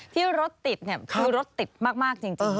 ที่รถติดคือรถติดมากจริง